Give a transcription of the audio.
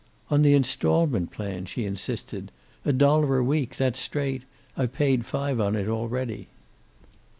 "On the installment plan," she insisted. "A dollar a week, that's straight. I've paid five on it already."